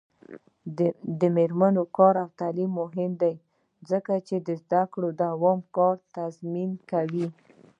د میرمنو کار او تعلیم مهم دی ځکه چې زدکړو دوام تضمین کوي.